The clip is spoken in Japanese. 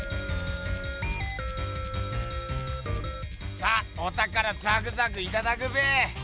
さあおたからザクザクいただくべ！